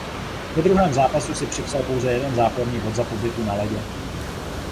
Ve druhém zápasu si připsal pouze jeden záporný bod za pobytu na ledě.